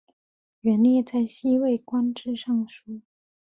元烈在西魏官至尚书。